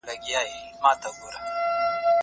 د طلاق خطرونه ډیری وخت چا ته متوجه وي؟